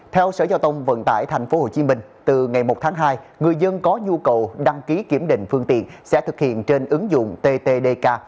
theo sở giao thông vận tải tp hcm từ ngày một tháng hai người dân có nhu cầu đăng ký kiểm định phương tiện sẽ thực hiện trên ứng dụng ttdk